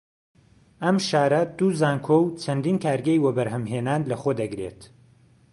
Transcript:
ئەم شارە دوو زانکۆ و چەندین کارگەی وەبەرهەم هێنان لە خۆ دەگرێت